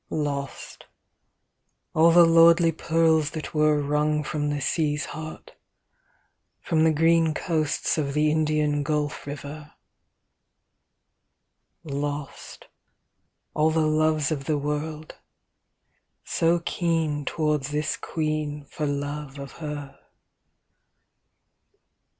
V Lost, all the lordly pearls that were Wrung from the sea's heart, from the green Coasts of the Indian gulf river; Lost, all the loves of the world so keen Towards this queen for love of her.